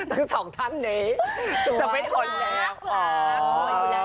ทั้งสองท่านนี้จะเป็นโฮนแลมป์